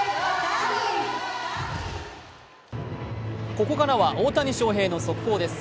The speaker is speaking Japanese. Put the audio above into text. ここからは大谷翔平選手の速報です。